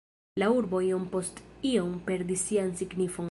La urbo iom post iom perdis sian signifon.